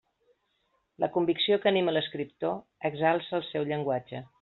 La convicció que anima l'escriptor exalça el seu llenguatge.